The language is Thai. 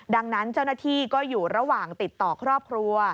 ดังนั้นเจ้าหน้าที่ก็อยู่ระหว่างติดต่อครอบครัว